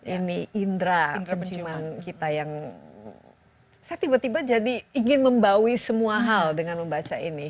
ini indra penciuman kita yang saya tiba tiba jadi ingin membawi semua hal dengan membaca ini